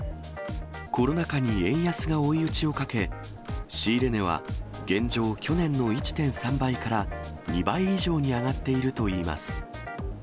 コロナ禍に円安が追い打ちをかけ、仕入れ値は現状、去年の１．３倍から、２倍以上に上がっているといいます。